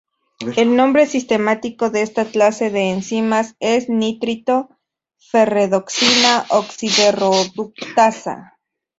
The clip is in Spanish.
El nombre sistemático de esta clase de enzimas es nitrito:ferredoxina oxidorreductasa.